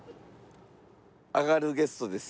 上がるゲストです。